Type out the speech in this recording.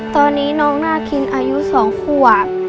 ตอนนี้น้องนาคินอายุ๒ขวบ